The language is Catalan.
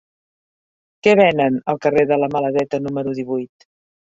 Què venen al carrer de la Maladeta número divuit?